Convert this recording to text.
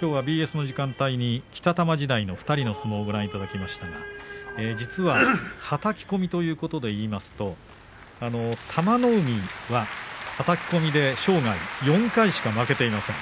きょうはＢＳの時間に北玉時代の２人の相撲ご覧いただきましたが実は、はたき込みということになると玉の海は、はたき込みで生涯４回しか負けていません。